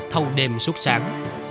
thâu đêm suốt sáng